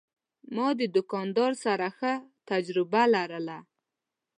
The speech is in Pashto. ما د دوکاندار سره ښه تجربه لرله.